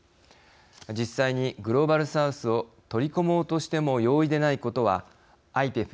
実際にグローバル・サウスを取り込もうとしても容易でないことはＩＰＥＦ